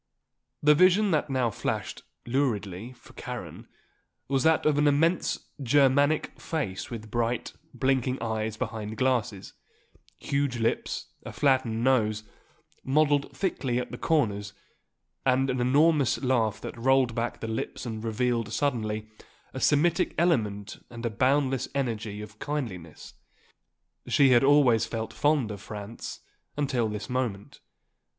The vision that now flashed, luridly, for Karen, was that of an immense Germanic face with bright, blinking eyes behind glasses; huge lips; a flattened nose, modelled thickly at the corners, and an enormous laugh that rolled back the lips and revealed suddenly the Semitic element and a boundless energy and kindliness. She had always felt fond of Franz until this moment.